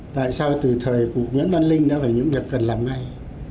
tại sao từ thời cụ nguyễn văn linh đã phải những việc cần làm ngay